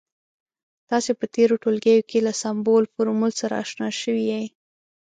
تاسې په تیرو ټولګیو کې له سمبول، فورمول سره اشنا شوي يئ.